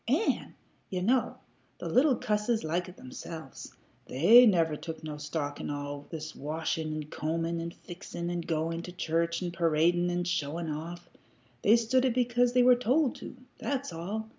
An', ye know, the little cusses like it themselves. They never took no stock in all this washin' an' combin' an' fixin' an' goin' to church an' paradin' an' showin' off. They stood it because they were told to. That's all.